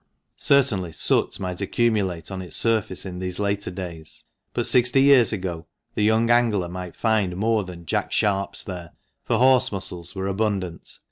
Certainly soot might accumulate on its surface in these later days ; but sixty years ago the young angler might find more than jack sharps there, for horse mussels were abundant.